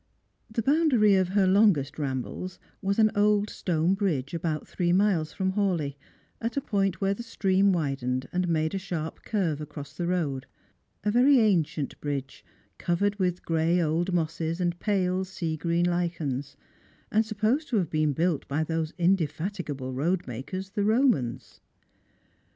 The boundary of her longest rambles was an old stone bridge about three miles from Hawleigh, at a point where the stream widened and made a sharp curve across the road ; a very ancient bridge, covered with gray old mosses and pale sea green lichens ; and supposed to have been built by those indefatigable road makers the Romans.